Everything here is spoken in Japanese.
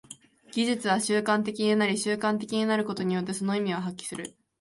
技術は習慣的になり、習慣的になることによってその意味を発揮する。